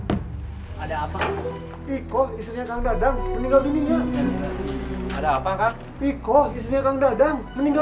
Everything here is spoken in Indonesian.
kak ada apa kang